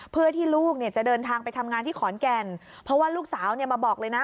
เพื่อที่ลูกเนี่ยจะเดินทางไปทำงานที่ขอนแก่นเพราะว่าลูกสาวเนี่ยมาบอกเลยนะ